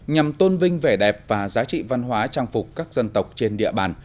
nhằm tôn vinh vẻ đẹp và giá trị văn hóa trang phục các dân tộc trên địa bàn